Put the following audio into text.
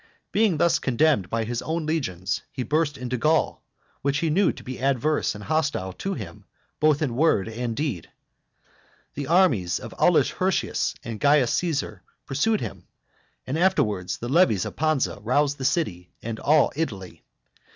Being thus condemned by his own legions, he burst into Gaul, which he knew to be adverse and hostile to him both in word and deed. The armies of Aulus Hirtius and Caius Caesar pursued him, and afterwards the levies of Pansa roused the city and all Italy.